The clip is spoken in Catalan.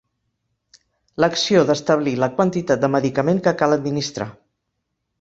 L'acció d'establir la quantitat de medicament que cal administrar.